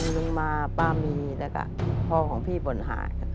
ลุงมาป้ามีแล้วก็พ่อของพี่บ่นหาย